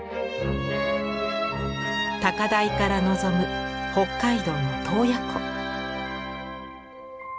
高台からのぞむ北海道の洞爺湖。